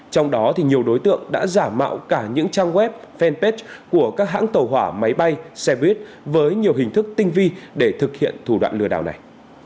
trong đó nhiều đối tượng đã giả mạo cả những trang web fanpage của các hãng tàu hỏa máy bay xe buýt với nhiều hình thức tinh vi để thực hiện thủ đoạn lừa đảo này